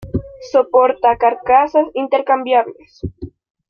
Soporta carcasas intercambiables.